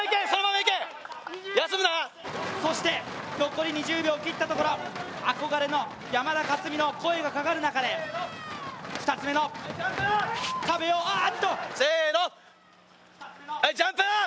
そして、残り２０秒を切ったところ、憧れの山田勝己の声がかかる中で２つ目の壁をあーっと！